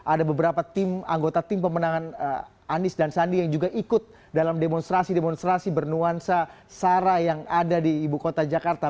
ada beberapa tim anggota tim pemenangan anies dan sandi yang juga ikut dalam demonstrasi demonstrasi bernuansa sara yang ada di ibu kota jakarta